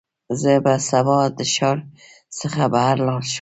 زه به سبا د ښار څخه بهر لاړ شم.